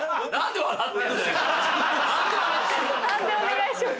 判定お願いします。